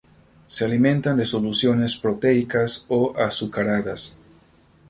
Se alimentan de soluciones proteicas o azucaradas.